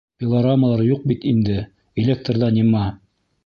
Пилорамалар юҡ бит инде, электр ҙа нема.